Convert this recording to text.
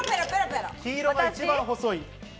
黄色が一番細い。